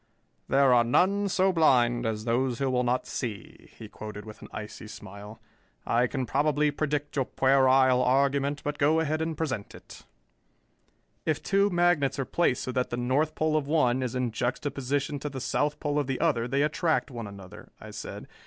"There are none so blind as those who will not see," he quoted with an icy smile. "I can probably predict your puerile argument, but go ahead and present it." "If two magnets are placed so that the north pole of one is in juxtaposition to the south pole of the other, they attract one another," I said.